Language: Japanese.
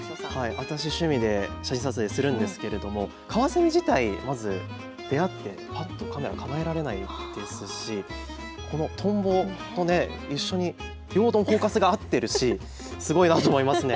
私、趣味で写真撮影するんですけど、カワセミ自体、まず、出会ってぱっとカメラ構えられないですしトンボと両方ともフォーカスが合っているしすごいと思います。